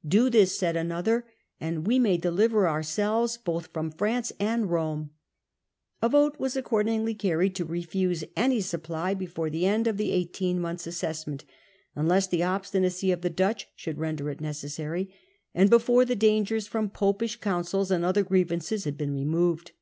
* Do this,' said another, ' and we may Refusal of deliver ourselves both from F ranee and Rome.' su^Iie, A vote was accordingly carried to refuse any counsellors/ supply before the end of the eighteen months' assessment, unless the obstinacy of the Dutch should render it necessary, and before the dangers from Popish counsels, and other grievances, had been removed.